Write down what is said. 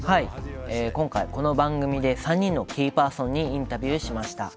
今回、この番組で３人のキーパーソンにインタビューしました。